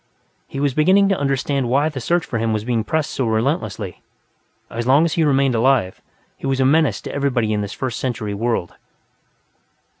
He was beginning to understand why the search for him was being pressed so relentlessly; as long as he remained alive, he was a menace to everybody in this First Century world.